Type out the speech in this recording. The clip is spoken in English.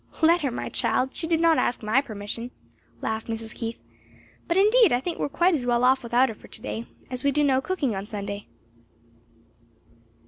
"Let her, my child? she did not ask my permission," laughed Mrs. Keith; "but indeed I think we are quite as well off without her for to day; as we do no cooking on Sunday."